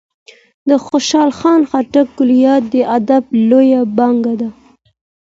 د خوشال خان خټک کلیات د ادب لویه پانګه ده.